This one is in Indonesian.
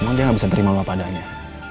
emang dia gak bisa terima lu apa apanya